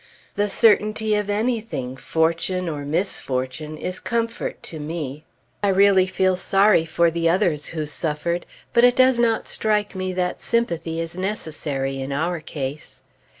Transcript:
The certainty of anything, fortune or misfortune, is comfort to me. I really feel sorry for the others who suffered; but it does not strike me that sympathy is necessary in our case.